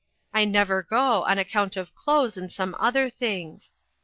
I never go, on account of clothes and some other things.